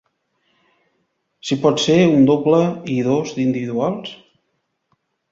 Si pot ser un doble i dos d'individuals?